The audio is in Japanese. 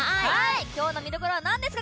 今日の見どころはなんですか？